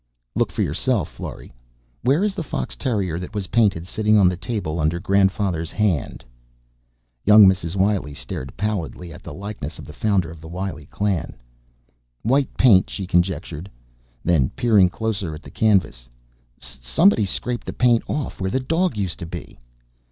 "Look for yourself, Florry! Where is the fox terrier that was painted sitting on the table under Grandfather's hand?" Young Mrs. Wiley stared pallidly at the likeness of the founder of the Wiley clan. "White paint," she conjectured. Then, peering closer at the canvas: "Somebody's scraped off the paint where the dog used to be."